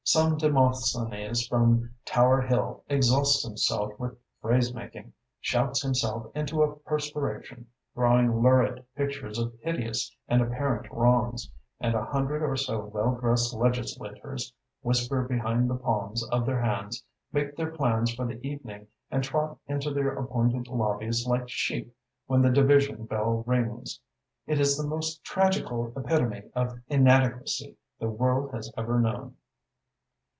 Some Demosthenes from Tower Hill exhausts himself with phrase making, shouts himself into a perspiration, drawing lurid, pictures of hideous and apparent wrongs, and a hundred or so well dressed legislators whisper behind the palms of their hands, make their plans for the evening and trot into their appointed lobbies like sheep when the division bell rings. It is the most tragical epitome of inadequacy the world has ever known."